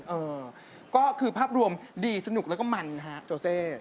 เออก็คือภาพรวมดีสนุกแล้วก็มันฮะโจเซ